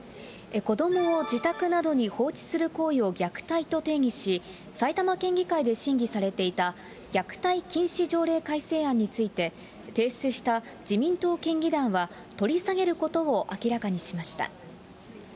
子どもを自宅などに放置する行為を虐待と定義し、埼玉県議会で審議されていた虐待禁止条例改正案について、提出した自民党県議団は取り下げることを明らかにしました。